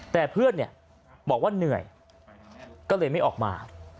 แต่เพื่อนบอกว่าเหนื่อยก็เลยไม่ออกมา